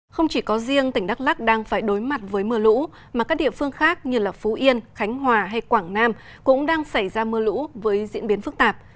không chỉ có riêng tỉnh đắk lắc đang phải đối mặt với mưa lũ mà các địa phương khác như phú yên khánh hòa hay quảng nam cũng đang xảy ra mưa lũ với diễn biến phức tạp